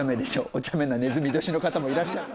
おちゃめなねずみ年の方もいらっしゃるの。